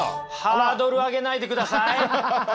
ハードル上げないでください。